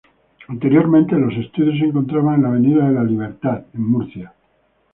Anteriormente, los estudios se encontraban en la Avenida de la Libertad, en Murcia.